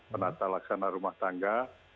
penata laksana rumah tangga